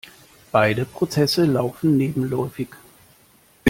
Beide Prozesse laufen nebenläufig.